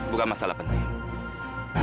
bukan masalah peninggalan